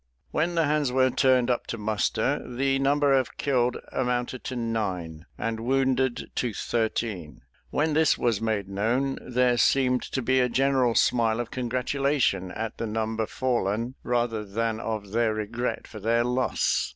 When the hands were turned up to muster, the number of killed amounted to nine, and wounded to thirteen. When this was made known, there seemed to be a general smile of congratulation at the number fallen, rather than of their regret for their loss.